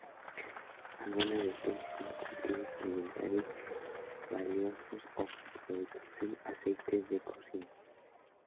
Algunas especies son cultivos alimentarios valiosos o producen aceites de cocina.